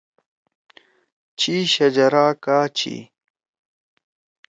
چھی شجرا کا چھی؟